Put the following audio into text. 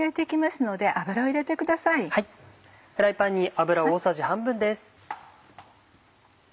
フライパンに油大さじ半分です。